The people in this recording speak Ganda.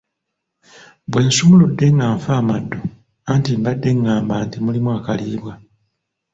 Bwe nsumuludde nga nfa amaddu, anti mbadde ng'amba nti mulimu akaliibwa.